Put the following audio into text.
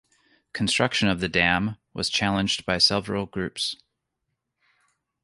Construction of the dam was challenged by several groups.